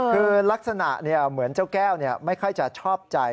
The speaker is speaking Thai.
คือลักษณะเหมือนเจ้าแก้วไม่ค่อยจะชอบใจ